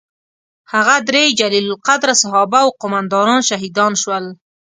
هغه درې جلیل القدره صحابه او قوماندانان شهیدان شول.